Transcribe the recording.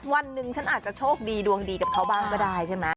วันหนึ่งฉันอาจจะโชคดีดวงดีกับเขาบ้างก็ได้ใช่ไหม